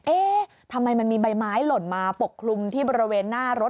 เอ๊ะทำไมมันมีใบไม้หล่นมาปกคลุมที่บริเวณหน้ารถ